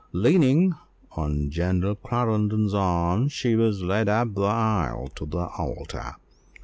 Leaning on General Clarendon's arm she was led up the aisle to the altar.